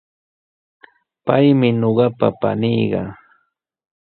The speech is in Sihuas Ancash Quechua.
Paymi ñuqaqapa paniiqa.